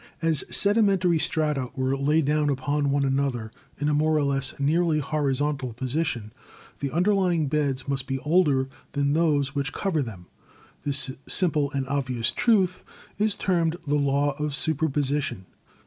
As sedimentary strata were laid down upon one another in a more or less nearly horizontal position, the underlying beds must be older than those which cover them. This simple and obvious truth is termed the Law of Superposi tion.